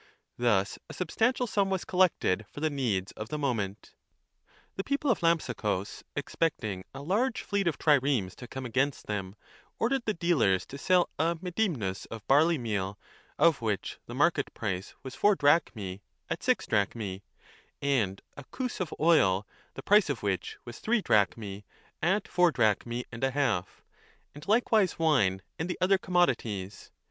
Thus a substantial sum was collected for the needs of the moment. The people of Lampsacus, expecting a large fleet of triremes to come against them, ordered the dealers to sell a medimmis of barley meal, of which the market price was four drachmae, at six drachmae, and a cJions of oil, the price of which was three drachmae, at four drachmae and a half, 35 and likewise wine and the other commodities.